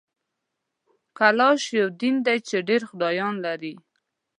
کلاش یو دین دی چي ډېر خدایان لري